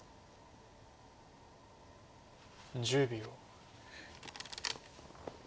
１０秒。